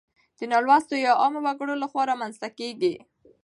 د نالوستو يا عامو وګړو لخوا رامنځته کيږي.